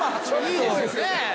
いいですよね？